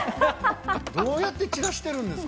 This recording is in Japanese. どうやってちらしてるんですか？